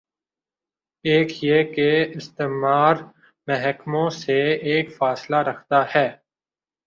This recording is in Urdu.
ایک یہ کہ استعمار محکوموں سے ایک فاصلہ رکھتا ہے۔